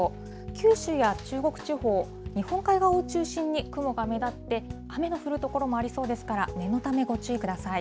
九州や中国地方、日本海側を中心に雲が目立って、雨が降る所もありそうですから、念のためご注意ください。